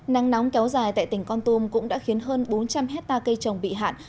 nắng nóng kéo dài tại tỉnh con tum cũng đã khiến hơn bốn trăm linh hectare cây trồng bị hạn